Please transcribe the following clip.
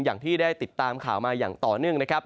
อย่างที่ได้ติดตามข่าวมาอย่างต่อเนื่องนะครับ